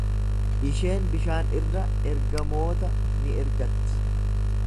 Isheen bishaan irra ergamoota ni ergatti.